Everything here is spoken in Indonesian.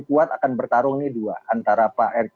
keuangan mungkin will just squares